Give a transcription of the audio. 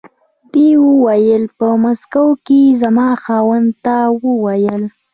دې وویل په مسکو کې یې زما خاوند ته و ویل.